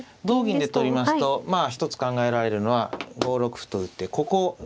同銀で取りますと一つ考えられるのは５六歩と打ってここ。